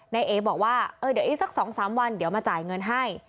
เอ๋บอกว่าเดี๋ยวอีกสัก๒๓วันเดี๋ยวมาจ่ายเงินให้